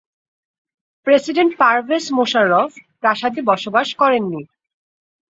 President Pervez Musharraf প্রাসাদে বসবাস করেন নি।